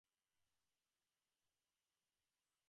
চন্দ্রবাবুর উৎসাহে তোমাকে সুদ্ধ দমিয়ে দিয়েছে।